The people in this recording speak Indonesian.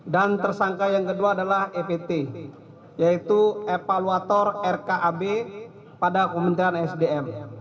dan tersangka yang kedua adalah ept yaitu evaluator rkab pada kementerian sdm